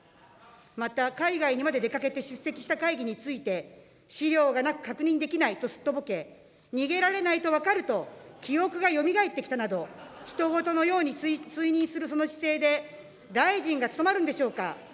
また、海外にまで出かけて出席した会議について、資料がなく確認できないとすっとぼけ、逃げられないと分かると記憶がよみがえってきたなど、ひと事のように追認するその姿勢で、大臣が務まるんでしょうか。